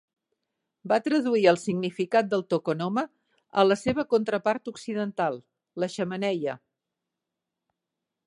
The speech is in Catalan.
Va traduir el significat del "tokonoma" a la seva contrapart occidental: la xemeneia.